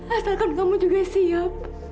asalkan kamu juga siap